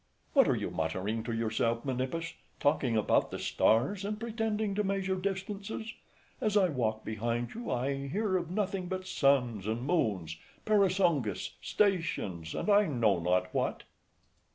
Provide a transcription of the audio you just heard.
FRIEND. What are you muttering to yourself, Menippus, talking about the stars, and pretending to measure distances? As I walk behind you, I hear of nothing but suns and moons, parasangas, stations, and I know not what.